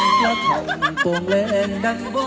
สวัสดีครับ